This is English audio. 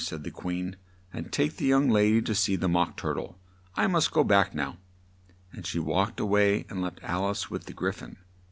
said the Queen, "and take this young la dy to see the Mock Tur tle. I must go back now;" and she walked a way and left Al ice with the Gry phon.